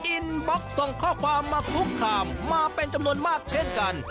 อินบล็อกส่งข้อความมาคุกคามมาเป็นจำนวนมากเช่นกัน